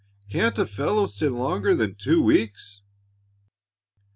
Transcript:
"Can't a fellow stay longer than two weeks?"